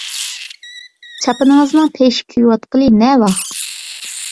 چاپىنىڭىزنىڭ پېشى كۆيۈۋاتقىلى نەۋاخ.